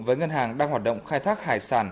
với ngân hàng đang hoạt động khai thác hải sản